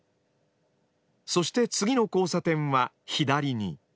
そして次の交差点は左に。